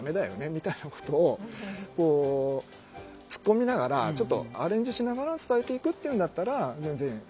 みたいなことをツッコミながらちょっとアレンジしながら伝えていくっていうんだったら全然ありかなとは。